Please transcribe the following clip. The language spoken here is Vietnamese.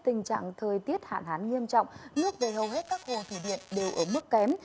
điện lực việt nam evn cho biết tình trạng thời tiết hạn hán nghiêm trọng nước về hầu hết các hồ thủy điện đều ở mức kém